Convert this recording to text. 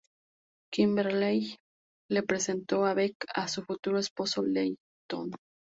Kimberley le presentó a Bec a su futuro esposo Lleyton.